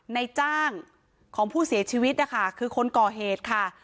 ในจ้างของผู้เสียชีวิตนะคะคือคนก่อเหตุค่ะ